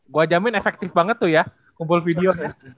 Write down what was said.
gue jamin efektif banget tuh ya kumpul videonya